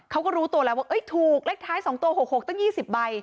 เขาก็รู้ตัวแล้วว่าถูกเลขท้าย๒ตัว๖๖ตั้ง๒๐ใบ